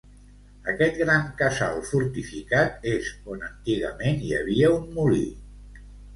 Aquest gran casal fortificat és on antigament hi havia un molí.